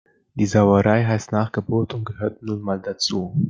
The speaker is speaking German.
Die Sauerei heißt Nachgeburt und gehört nun mal dazu.